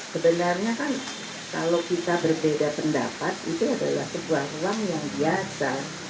sebenarnya kan kalau kita berbeda pendapat itu adalah sebuah ruang yang biasa